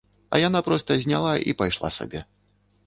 А яна проста зняла і пайшла сабе!